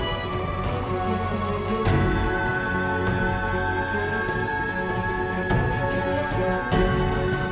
dan aku tahu dia ada di sini